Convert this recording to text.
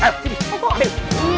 hah sini ambil